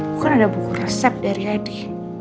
bukan ada buku resep dari hadi